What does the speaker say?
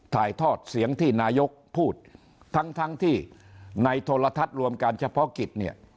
ถ่ายทอดเสียงที่นายกพูดทั้งทั้งที่ในโทรทัศน์รวมการเฉพาะกิจเนี่ย